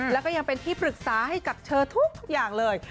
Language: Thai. แล้วก็ยังเป็นที่ปรึกษาให้กับเธอทุกอย่างเลย